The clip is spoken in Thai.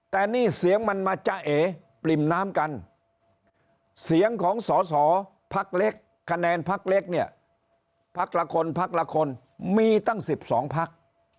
แต่นี่เสียงมันมาจะเอปริ่มน้ำกันเสียงของสอสอพักเล็กคะแนนพักเล็กเนี่ยพักละคนพักละคนมีตั้ง๑๒พัก